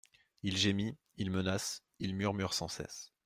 Il gémit, il menace, il murmure sans cesse.